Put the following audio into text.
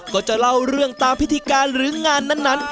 ก็จะเล่าเรื่องตามพิธีการหรืองานนั้น